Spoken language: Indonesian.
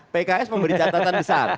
pks memberi catatan besar